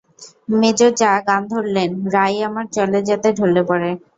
মেজো জা গান ধরলেন– রাই আমার চলে যেতে ঢলে পড়ে।